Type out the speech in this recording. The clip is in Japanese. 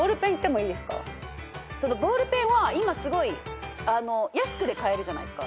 ボールペンは今すごい安く買えるじゃないですか。